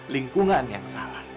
lingkungan yang salah